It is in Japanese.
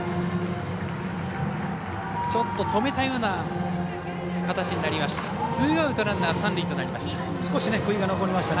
止めたような形になりました。